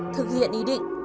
thực hiện ý định